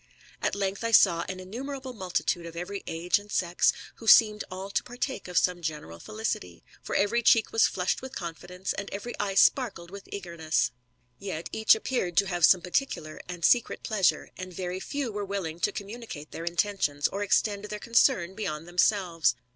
At length I saw an innumerable multitude of every age and sex, who seemed all to partake of some general felicity ; for every cheek was flushed with confidence, and every eye sparkled with eagerness ; yet each appeared to have some particular and secret pleasure, and very few were willing to comrauni cate their intentions, or extend their concern beyond themselves.